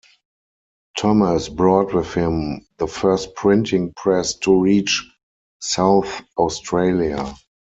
Thomas brought with him the first printing press to reach South Australia.